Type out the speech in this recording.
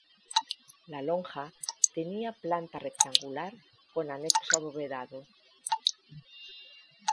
La Lonja tenía planta rectangular, con anexo abovedado.